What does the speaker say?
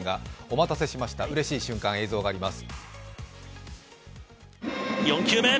お待たせしました、うれしい瞬間、映像があります。